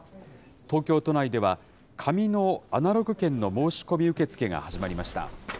東京都内では、紙のアナログ券の申し込み受け付けが始まりました。